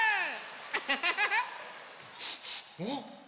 アハハハハ！おっ？